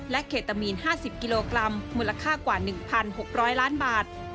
เคตามีน๕๐กิโลกรัมมูลค่ากว่า๑๖๐๐ล้านบาท